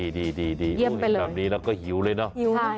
ดีดูเห็นแบบนี้เราก็หิวเลยเนาะ